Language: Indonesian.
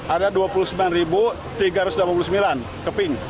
ada dua puluh sembilan tiga ratus delapan puluh sembilan keping